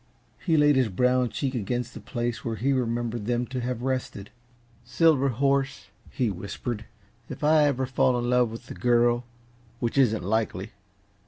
He laid his brown cheek against the place where he remembered them to have rested. "Silver horse," he whispered, "if I ever fall in love with a girl which isn't likely!